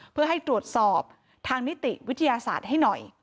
เพื่อให้ตรวจสอบทางนิติวิทยาศาสตร์ให้หน่อย